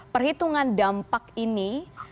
perhitungan dampak ini